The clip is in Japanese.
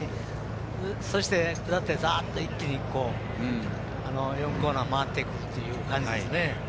そして、下ってざーっといっきに４コーナー回ってっていう感じですね。